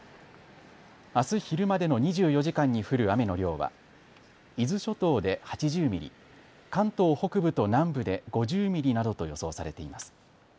あす昼までの２４時間に降る雨の量は伊豆諸島で８０ミリ、関東北部と南部で５０ミリなどと予想されています。